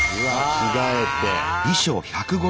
着替えて。